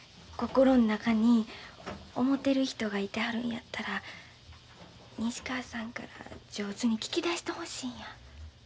心の中に思てる人がいてはるんやったら西川さんから上手に聞き出してほしいんや。